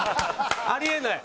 あり得ない。